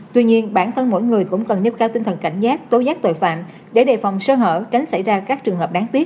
tuy nhiên bản thân mỗi người cũng cần nêu cao tinh thần cảnh giác tố giác tội phạm để đề phòng sơ hở tránh xảy ra các trường hợp đáng tiếc